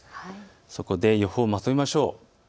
そこで予報をまとめましょう。